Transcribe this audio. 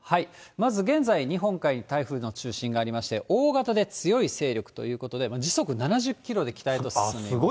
まず現在、日本海に台風の中心がありまして、大型で強い勢力ということで、時速７０キロで北へと進んでいます。